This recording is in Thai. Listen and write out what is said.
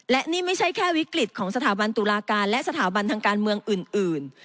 และนี่ไม่ใช่แค่วิกฤตของสถาบันตุลาการและสถาบันทางการเมืองอื่น